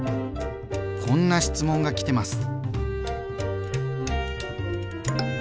こんな質問がきてます。